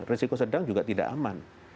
risiko sedang juga tidak aman